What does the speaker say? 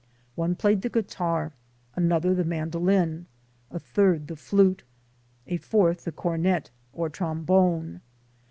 One played the guitar, another the man dolin, a third the flute, a fourth the cornet or trombone.